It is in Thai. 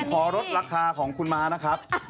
ขอลดราคาของคุณม้านะครับ